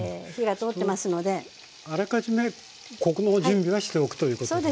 あらかじめここの準備はしておくということですね。